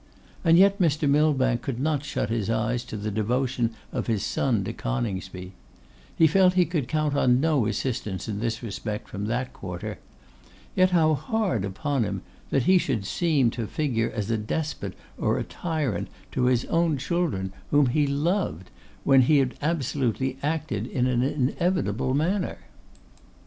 And yet Mr. Millbank could not shut his eyes to the devotion of his son to Coningsby. He felt he could count on no assistance in this respect from that quarter. Yet how hard upon him that he should seem to figure as a despot or a tyrant to his own children, whom he loved, when he had absolutely acted in an inevitable manner!